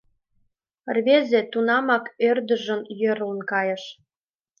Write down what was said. Рвезе тунамак ӧрдыжын йӧрлын кайыш.